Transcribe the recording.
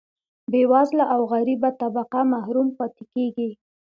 بیوزله او غریبه طبقه محروم پاتې کیږي.